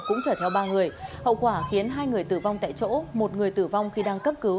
cũng chở theo ba người hậu quả khiến hai người tử vong tại chỗ một người tử vong khi đang cấp cứu